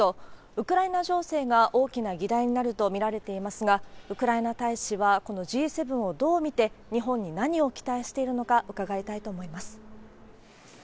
ウクライナ情勢が大きな議題になると見られていますが、ウクライナ大使はこのＧ７をどう見て、日本に何を期待しているのか、伺いたいと思います。